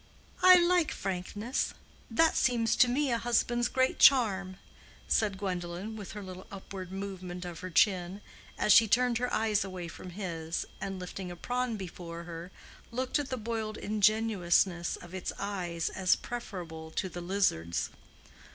"I like frankness: that seems to me a husband's great charm," said Gwendolen, with her little upward movement of her chin, as she turned her eyes away from his, and lifting a prawn before her, looked at the boiled ingenuousness of its eyes as preferable to the lizard's.